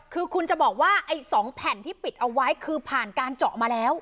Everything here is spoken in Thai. คือคุณจะบอกว่าไอ้๒แผ่นที่ปิดเอาไว้คือผ่านการเจาะมาแล้ว